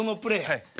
はい。